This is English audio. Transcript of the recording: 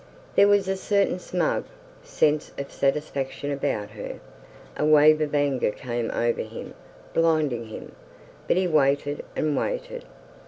There was a certain smug sense of satisfaction about her. A wave of anger came over him, blinding him. But he waited and waited.